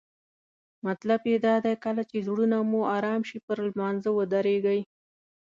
مطلب یې دا دی کله چې زړونه مو آرام شي پر لمانځه ودریږئ.